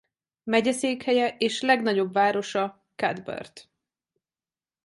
Megyeszékhelye és legnagyobb városa Cuthbert.